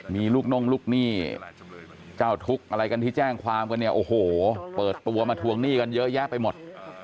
มีลูกน่งลูกหนี้เจ้าทุกข์อะไรกันที่แจ้งความกันเนี่ยโอ้โหเปิดตัวมาทวงหนี้กันเยอะแยะไปหมด